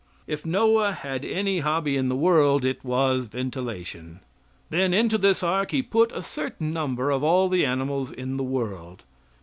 If Noah had any hobby in the world it was ventilation. Then into this ark he put a certain number of all the animals in the world.